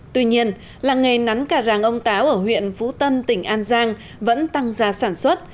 tuy nhiên làng nghề nắn cà ràng ông táo ở huyện phú tân tỉnh an giang vẫn tăng ra sản xuất